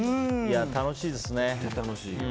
楽しいですね。